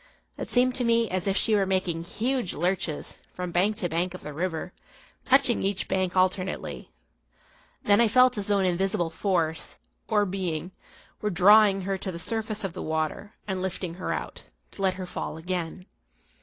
It seemed to me as if she were making huge lurches, from bank to bank of the river, touching each bank alternately. Then I felt as though an invisible force, or being, were drawing her to the surface of the water and lifting her out, to let her fall again.